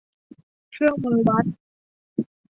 เครื่องมือวัด